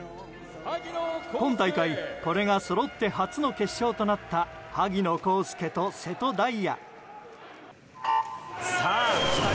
今大会これがそろって初の決勝となった萩野公介と瀬戸大也。